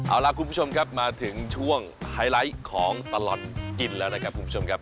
เอาล่ะคุณผู้ชมครับมาถึงช่วงไฮไลท์ของตลอดกินแล้วนะครับคุณผู้ชมครับ